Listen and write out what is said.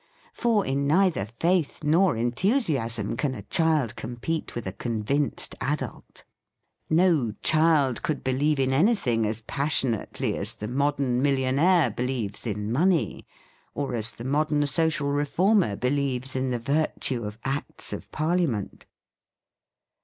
For in neither faith nor enthusiasm can a child compete with a convinced adult. No child could believe in anything as passionately as the modern millionaire believes in money, or as the modern social re former believes in the virtue of Acts of Parliament.